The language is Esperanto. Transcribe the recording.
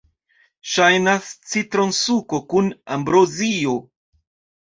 Ŝajnas citronsuko kun ambrozio.